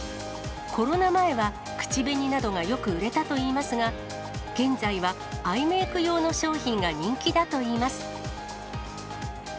コロナ前は口紅などがよく売れたといいますが、現在はアイメーク用の商品が人気だといいます。